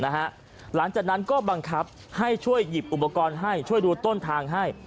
หลังจากนั้นก็บังคับให้ช่วยหยิบอุปกรณ์ให้ช่วยดูต้นทางให้